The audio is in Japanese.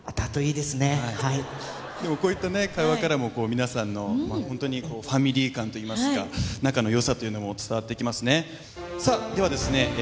はいでもこういった会話からも皆さんのファミリー感といいますか仲の良さというのも伝わってきますねではですね